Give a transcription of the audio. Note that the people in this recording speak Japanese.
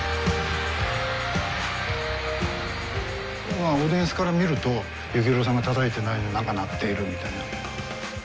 まあオーディエンスから見ると幸宏さんがたたいてないのに何か鳴っているみたいな。